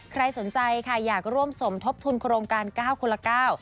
ใครสนใจค่ะอยากร่วมสมทบทุนโครงการเก้าคนละเก้า